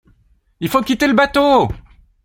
Il faut quitter le bateau.